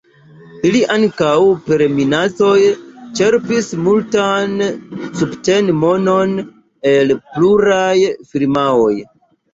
Ili ankaŭ per minacoj ĉerpis multan subten-monon el pluraj firmaoj.